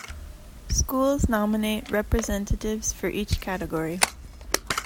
Schools nominate representatives for each category.